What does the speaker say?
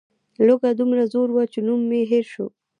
لوږه دومره زور وه چې نوم مې هېر شو.